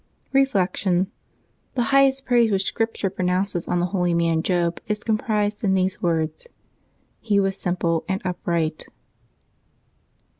Reflection. — The highest praise which Scripture pro nounces on the holy man Job is comprised in these words, ^' He was simple and upright.'